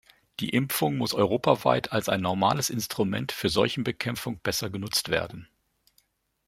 Die Impfung muss europaweit als ein normales Instrument für Seuchenbekämpfung besser genutzt werden.